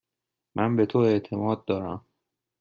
من به تو اعتماد دارم.